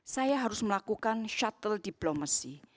saya harus melakukan shuttle diplomacy